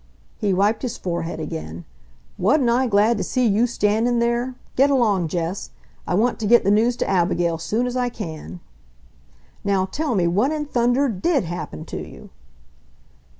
He wiped his forehead again. "Wa'n't I glad to see you standin' there ... get along, Jess! I want to get the news to Abigail soon as I can!" "Now tell me what in thunder DID happen to you!"